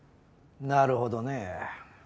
なるほどねぇ。